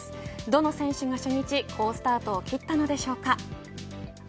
どの選手が初日、好スタートを切ったのでしょうか。